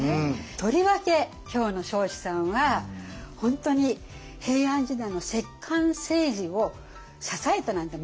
とりわけ今日の彰子さんは本当に平安時代の摂関政治を支えたなんてもんじゃない。